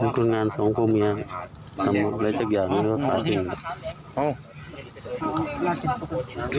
นั่นคุณงานสองผู้เมียทำอะไรจากอย่างนี้ด้วยค่ะที่อ้าว